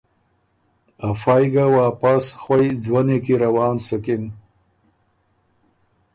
افئ ګۀ واپس خوئ ځُونئ کی روان سُکِن